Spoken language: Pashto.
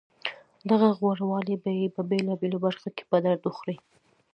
دغه غورهوالی به یې په بېلابېلو برخو کې په درد وخوري